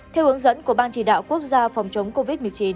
theo hướng dẫn của ban chỉ đạo quốc gia phòng chống covid một mươi chín